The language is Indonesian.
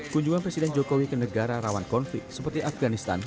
kunjungan presiden jokowi ke negara rawan konflik seperti afganistan